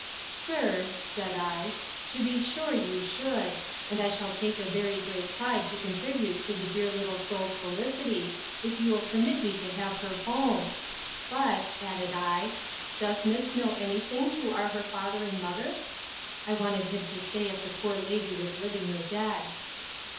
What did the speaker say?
Sir, said I, to be sure you should; and I shall take a very great pride to contribute to the dear little soul's felicity, if you will permit me to have her home.—But, added I, does miss know any thing who are her father and mother? I wanted him to say if the poor lady was living or dead.